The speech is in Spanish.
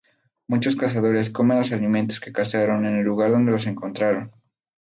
Muchos cazadores comen los alimentos que cazaron en el lugar donde los encontraron.